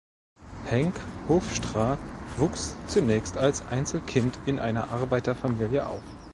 Henk Hofstra wuchs zunächst als Einzelkind in einer Arbeiterfamilie auf.